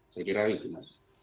saya kira itu mas